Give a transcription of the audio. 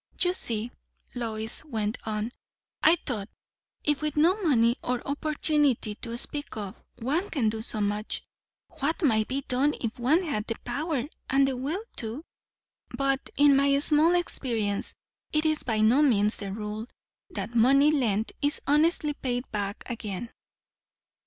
"You see," Lois went on, "I thought, if with no money or opportunity to speak of, one can do so much, what might be done if one had the power and the will too?" "But in my small experience it is by no means the rule, that money lent is honestly paid back again."